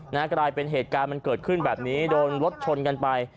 กลายเป็นเหตุการณ์มันเกิดขึ้นแบบนี้โดนรถชนกันไป